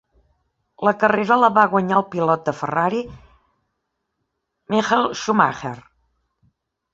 La carrera la va guanyar el pilot de Ferrari Michael Schumacher.